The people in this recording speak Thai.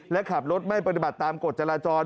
และขับรถไม่ปฏิบัติตามกฎจราจร